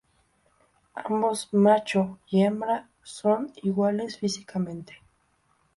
Ambos, macho y hembra, son iguales físicamente.